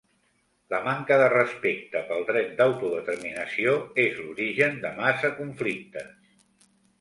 La manca de respecte pel dret d’autodeterminació és l’origen de massa conflictes.